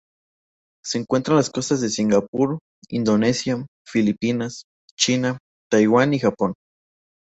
Se encuentra en las costas de Singapur, Indonesia, Filipinas, China, Taiwán y Japón.